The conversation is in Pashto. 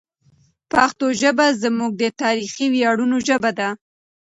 پښتو ژبه زموږ د تاریخي ویاړونو ژبه ده.